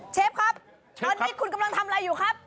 เชฟครับตอนนี้คุณกำลังทำอะไรอยู่ครับ